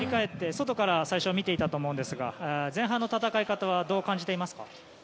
外から最初は見ていたと思うんですが前半の戦い方はどう感じていますか。